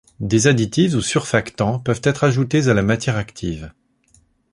Des additifs ou surfactants peuvent être ajoutés à la matière active.